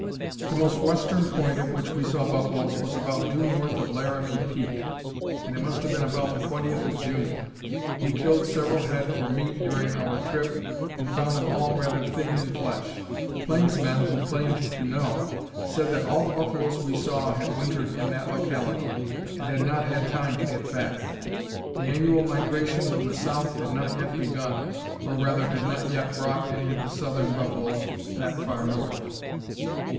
The most western point at which we saw buffaloes was about due north of Laramie Peak, and it must have been about the 20th of June. We killed several head for meat during our trip, and found them all rather thin in flesh. Plainsmen who claimed to know, said that all the buffaloes we saw had wintered in that locality, and had not had time to get fat. The annual migration from the south had not yet begun, or rather had not yet brought any of the southern buffaloes that far north."